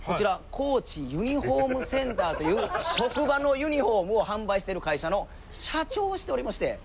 「高知ユニフォームセンター」という職場のユニホームを販売している会社の社長をしておりまして。